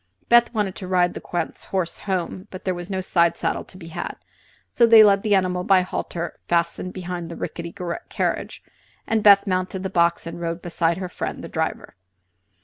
Beth wanted to ride the Count's horse home, but there was no side saddle to be had, so they led the animal by a halter fastened behind the ricketty carriage, and Beth mounted the box and rode beside her friend the driver.